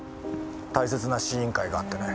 大切な試飲会があってね。